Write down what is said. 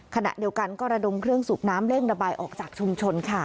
ขณะเดียวกันก็ระดมเครื่องสูบน้ำเร่งระบายออกจากชุมชนค่ะ